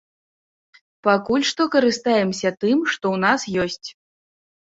Пакуль што карыстаемся тым, што ў нас ёсць.